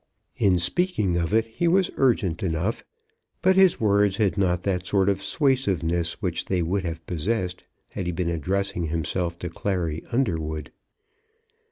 In speaking of it, he was urgent enough, but his words had not that sort of suasiveness which they would have possessed had he been addressing himself to Clary Underwood.